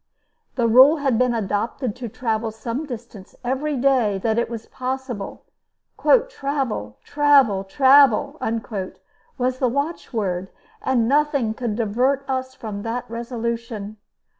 The rule had been adopted to travel some distance every day that it was possible. "Travel, travel, travel," was the watchword, and nothing could divert us from that resolution.